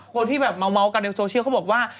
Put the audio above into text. คนที่แบบเมาเมาะแบบกันแล้วในโซเชียลเขาบอกว่า